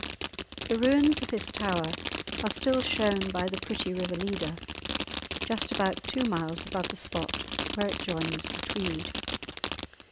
The ruins of his tower are still shown by the pretty river Leader, just about two miles above the spot where it joins the Tweed.